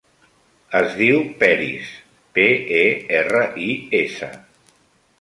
Es diu Peris: pe, e, erra, i, essa.